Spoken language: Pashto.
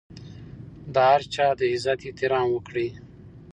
د هر چا د عزت احترام وکړئ.